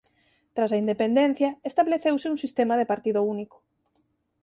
Tras a independencia estableceuse un sistema de partido único.